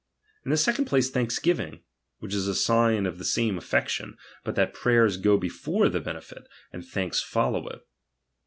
In the second place, thanksgiving ; which is a sign of the same affection, but that prayers hpfore the benefit, and thanks follow it.